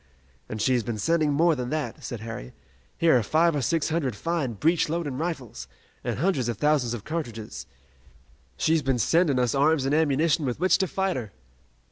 "And she has been sending more than that," said Harry. "Here are five or six hundred fine breech loading rifles, and hundreds of thousands of cartridges. She's been sending us arms and ammunition with which to fight her!"